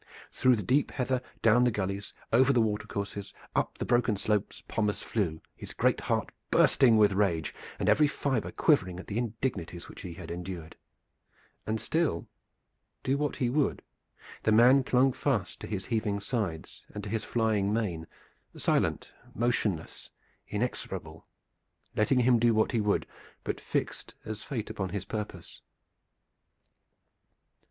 Through the deep heather, down the gullies, over the watercourses, up the broken slopes, Pommers flew, his great heart bursting with rage, and every fiber quivering at the indignities which he had endured. And still, do what he would, the man clung fast to his heaving sides and to his flying mane, silent, motionless, inexorable, letting him do what he would, but fixed as Fate upon his purpose.